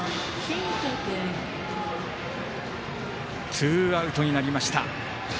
ツーアウトになりました。